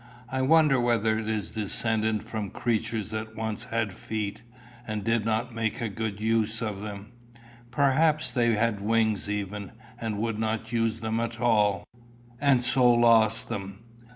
I wonder whether it is descended from creatures that once had feet, and did not make a good use of them. Perhaps they had wings even, and would not use them at all, and so lost them.